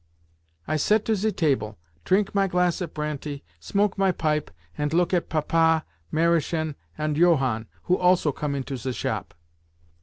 I set to ze table, trink my glass of pranty, smoke my pipe, ant look at Papa, Mariechen, ant Johann (who also come into ze shop).